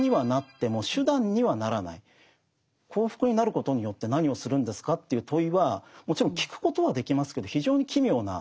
幸福になることによって何をするんですかという問いはもちろん聞くことはできますけど非常に奇妙な問いですよね。